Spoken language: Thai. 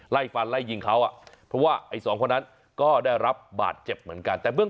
ไล่ฟันไล่ยิงเขาอ่ะเพราะว่าไอ้สองคนนั้นก็ได้รับบาดเจ็บเหมือนกันแต่เบื้อง